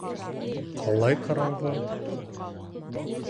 Ҡалай ҡараңғы.